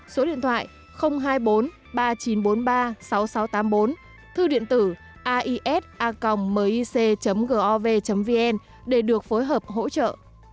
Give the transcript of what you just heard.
số điện thoại hai mươi bốn ba nghìn chín trăm bốn mươi ba sáu nghìn sáu trăm tám mươi bốn thư điện tử ais a gmic gov vn để được phối hợp hỗ trợ